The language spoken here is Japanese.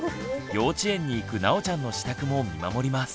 幼稚園に行くなおちゃんの支度も見守ります。